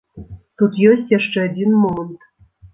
Тут ёсць яшчэ адзін момант.